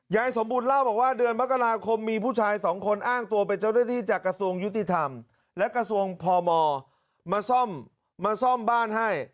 ยายสมบูรณ์เล่าบอกว่าเดือนมกราคมมีผู้ชายสองคนอ้างตัวเป็นเจ้าหน้าที่จากกระทรวงยุติธรรมและกระทรวงพมมาซ่อมมาซ่อมบ้านให้